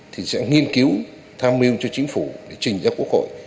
thì sẽ nghiên cứu tham mưu cho chính phủ để trình ra quốc hội